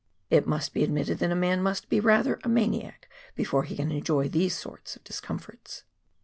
It must be admitted that a man must be rather a maniac, before he can enjoy these sort of discomforts.